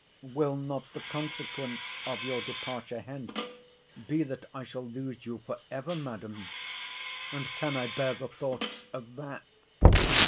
Will not the consequence of your departure hence be that I shall lose you for ever, Madam?—And can I bear the thoughts of that?